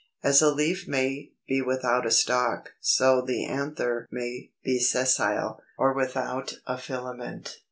As a leaf may be without a stalk, so the anther may be Sessile, or without a filament.